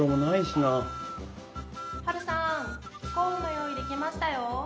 スコーンの用意できましたよ。